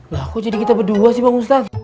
lah kok jadi kita berdua sih bang ustaz